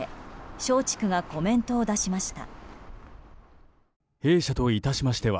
松竹がコメントを出しました。